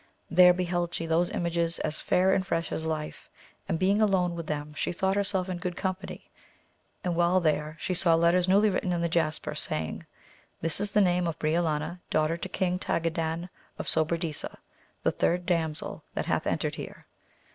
There beheld she those images as fair and fresh as life, and being alone with them she thought herself in good company ; and while there she saw letters newly written in the jasper, say ing, This is the name of Briolania, daughter to King Tagadan of Sobradisa, the third damsel that hath entered here.